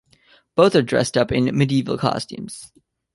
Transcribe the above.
Both are dressed up in medieval costumes.